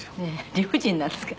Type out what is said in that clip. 理不尽なんですか。